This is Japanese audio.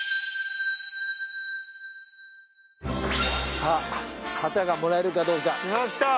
さあ旗がもらえるかどうか。来ました！